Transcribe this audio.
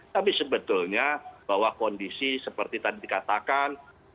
tapi sebetulnya bahwa kondisi seperti tadi dikatakan